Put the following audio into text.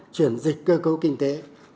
chuyển dịch cơ cấu kinh tế